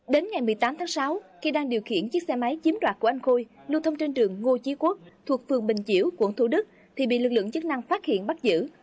đến ngày một mươi tám tháng sáu khi đang điều khiển chiếc xe máy chiếm đoạt của anh khôi lưu thông trên đường ngô chí quốc thuộc phường bình chiểu quận thủ đức thì bị lực lượng chức năng phát hiện bắt giữ